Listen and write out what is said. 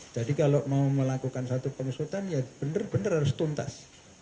jadi kalau mau melakukan satu pengusutan ya benar benar harus tuntas